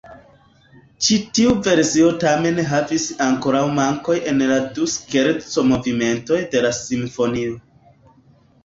Ĉi tiu versio tamen havis ankoraŭ mankoj en la du skerco-movimentoj de la simfonio.